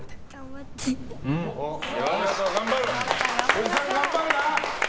おじさん頑張るな！